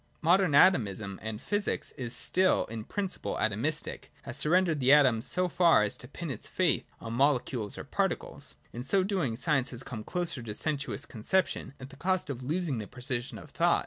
— Modern Atomism — and physics is still in principle atomistic — has surrendered the atoms so far as to pin its faith on molecules or particles. In so doing, science has come closer to sensuous conception, at the cost of losing the precision of thought.